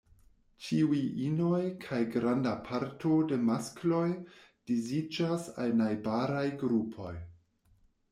Ĉiuj inoj kaj granda parto de maskloj disiĝas al najbaraj grupoj.